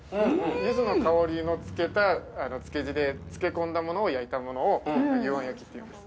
柚子の香りのつけた漬け汁で漬け込んだものを焼いたものを幽庵焼きっていいます。